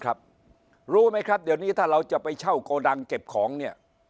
รู้ไหมครับเดี๋ยวนี้ถ้าเราจะไปเช่าโกดังเก็บของเนี่ย